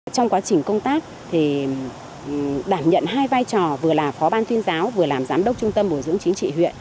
trong quá trình công tác thì đảm nhận hai vai trò vừa là phó ban tuyên giáo vừa làm giám đốc trung tâm bồi dưỡng chính trị huyện